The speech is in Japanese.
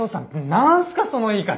何すかその言い方。